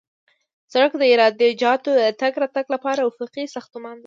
سړک د عراده جاتو د تګ راتګ لپاره افقي ساختمان دی